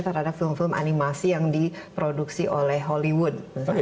terhadap film film animasi yang diproduksi oleh hollywood